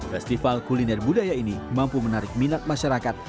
festival kuliner budaya ini mampu menarik minat masyarakat